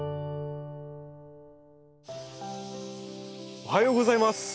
おはようございます。